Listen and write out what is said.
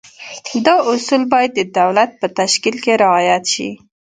دا اصول باید د دولت په تشکیل کې رعایت شي.